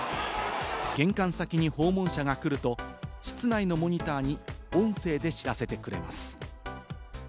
玄関先に訪問者が来ると、室内のモニターに音声で知らせてくれます。